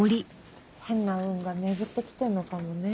変な運が巡ってきてんのかもね。